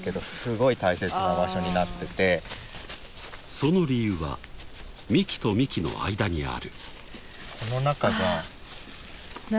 ［その理由は幹と幹の間にある］